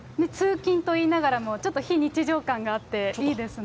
通勤といいながらも、ちょっと非日常感があって、いいですね。